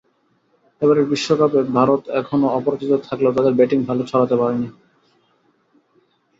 এবারের বিশ্বকাপে ভারত এখনো অপরাজিত থাকলেও তাদের ব্যাটিং আলো ছড়াতে পারেনি মিলিতভাবে।